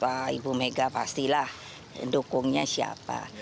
wah ibu mega pastilah dukungnya siapa